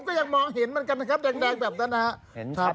ก็ยังมองเห็นเหมือนกันนะครับแดงแบบนั้นนะครับ